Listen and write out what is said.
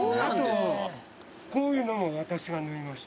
こういうのも私が縫いました。